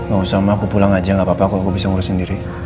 gausah ma aku pulang aja gapapa kalo aku bisa ngurusin diri